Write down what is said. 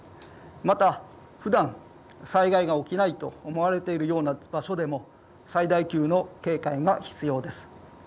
また、ふだん災害が起きないと思われているような場所でも最大級の警戒が必要です。